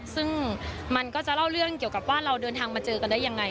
ซึ่งมันก็จะเล่าเรื่องเกี่ยวกับว่าเราเดินทางมาเจอกันได้ยังไง